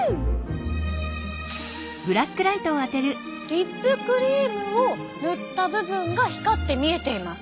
リップクリームを塗った部分が光って見えています。